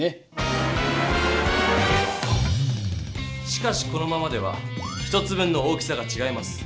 しかしこのままでは１つ分の大きさがちがいます。